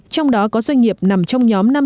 trong đó có doanh nghiệp nằm trong nhóm